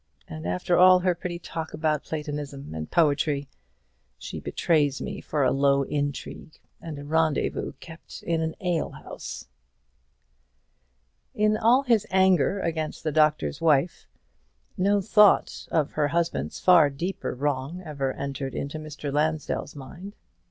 And after all her pretty talk about platonism and poetry, she betrays me for a low intrigue, and a rendezvous kept in an ale house." In all his anger against the Doctor's Wife, no thought of her husband's far deeper wrong ever entered into Mr. Lansdell's mind.